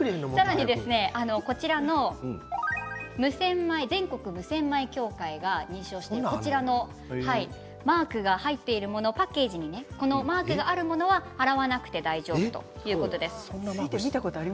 さらにこちらの無洗米全国無洗米協会が認証しているこちらのマークが入っているものパッケージにマークがあるものは洗わなくて大丈夫です。